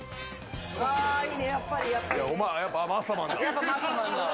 やっぱマッサマンだわ。